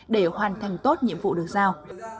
để hoàn thành tốt nhiệm vụ được giao